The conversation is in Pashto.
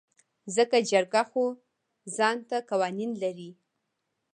ځکه جرګه خو ځانته قوانين لري .